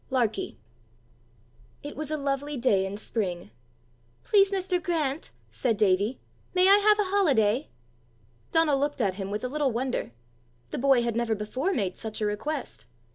LARKIE. It was a lovely day in spring. "Please, Mr. Grant," said Davie, "may I have a holiday?" Donal looked at him with a little wonder: the boy had never before made such a request!